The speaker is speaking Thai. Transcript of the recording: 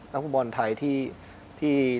ฟุตบอลไทยที่